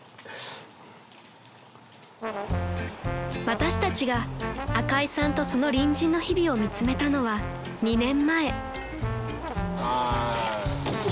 ［私たちが赤井さんとその隣人の日々を見つめたのは２年前］